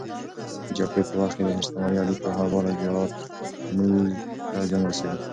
د جګړې په وخت کې د اجتماعي اړیکو خرابوالی زموږ ته زیان رسوي.